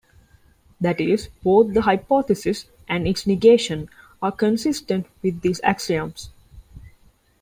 That is, both the hypothesis and its negation are consistent with these axioms.